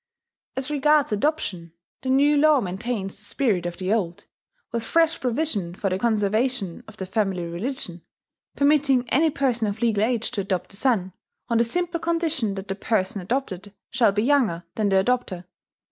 As regards adoption, the new law maintains the spirit of the old, with fresh provision for the conservation of the family religion, permitting any person of legal age to adopt a son, on the simple condition that the person adopted shall be younger than the adopter.